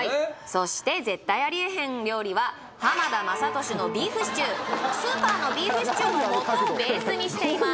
そして絶対ありえへん料理は浜田雅功のビーフシチュースーパーのビーフシチューのもとをベースにしています